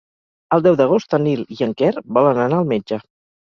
El deu d'agost en Nil i en Quer volen anar al metge.